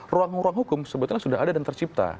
ruang ruang hukum sebetulnya sudah ada dan tercipta